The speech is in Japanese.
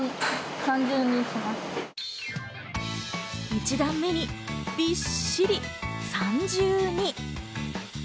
一段目にびっしり３重に。